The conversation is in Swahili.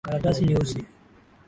Karatasi nyeusi.